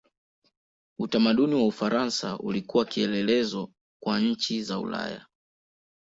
Utamaduni wa Ufaransa ulikuwa kielelezo kwa nchi za Ulaya.